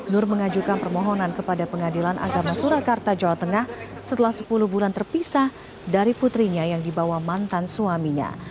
nur mengajukan permohonan kepada pengadilan agama surakarta jawa tengah setelah sepuluh bulan terpisah dari putrinya yang dibawa mantan suaminya